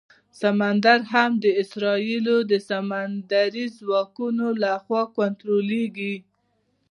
سمندر هم د اسرائیلو د سمندري ځواکونو لخوا کنټرولېږي.